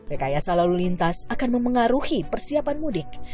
rekayasa lalu lintas akan memengaruhi persiapan mudik